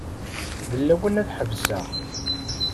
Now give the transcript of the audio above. D lawan ad ḥebseɣ.